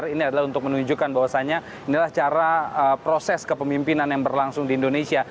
ini adalah untuk menunjukkan bahwasannya inilah cara proses kepemimpinan yang berlangsung di indonesia